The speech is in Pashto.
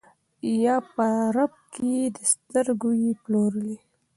یا په رپ کي یې د سترګو یې پلورلی